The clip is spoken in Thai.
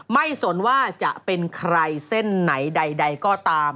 สนว่าจะเป็นใครเส้นไหนใดก็ตาม